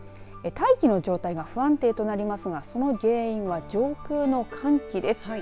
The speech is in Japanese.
大気の状態が不安定となりますがその原因は上空の寒気です。